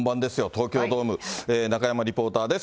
東京ドーム、中山リポーターです。